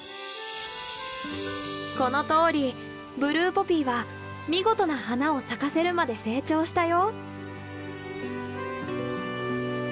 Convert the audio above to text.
このとおりブルーポピーは見事な花を咲かせるまで成長したよ。